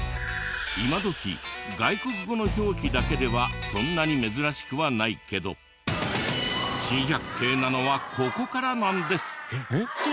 今どき外国語の表記だけではそんなに珍しくはないけど珍百景なのはここからなんです。